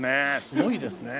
すごいですね。